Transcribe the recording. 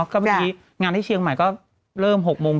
ก็บางทีงานที่เชียงใหม่ก็เริ่ม๖โมงครึ่ง